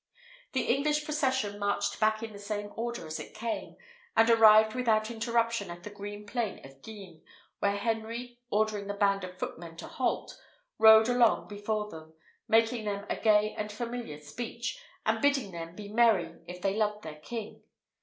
The English procession marched back in the same order as it came, and arrived without interruption at the green plain of Guisnes, where Henry, ordering the band of footmen to halt, rode along before them, making them a gay and familiar speech, and bidding them be merry if they loved their king.